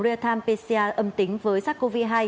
real time pcr âm tính với sars cov hai